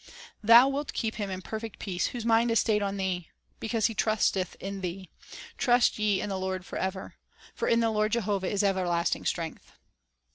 Thou wilt keep him in perfect peace Whose mind is stayed on Thee ; because he trusteth in Thee. Trust ye in the Lord forever; For in the Lord Jehovah is everlasting strength."